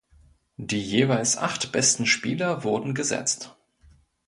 Die jeweils acht besten Spieler wurden gesetzt.